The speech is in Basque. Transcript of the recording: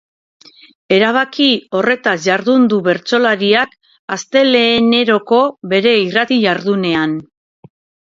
Erabaki horretaz jardun du bertsolariak asteleheneroko bere irrati-jardunean.